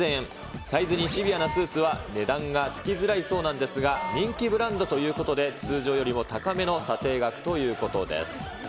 サイズにシビアなスーツは値段がつきづらいそうなんですが、人気ブランドということで、通常よりも高めの査定額ということです。